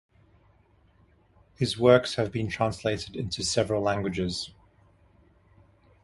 His works have been translated into several languages.